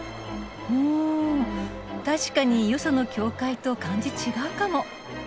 うん確かによその教会と感じ違うかも。